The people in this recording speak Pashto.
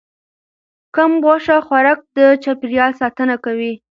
کم غوښه خوراک د چاپیریال ساتنه کوي.